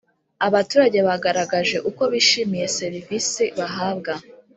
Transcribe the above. Abaturage bagaragaje uko bishimiye serivisi bahabwa